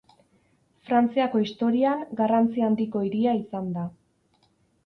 Frantziako historian garrantzi handiko hiria izan da.